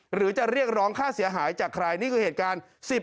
หรือจะเรียกร้องค่าเสียหายจากใครนี่คือเหตุการณ์